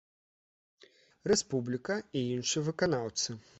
Рэспубліка і іншыя выканаўцы.